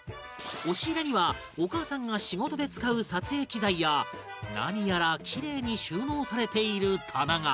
押し入れにはお母さんが仕事で使う撮影機材や何やらキレイに収納されている棚が